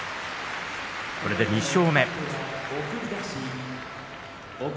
これで２勝目。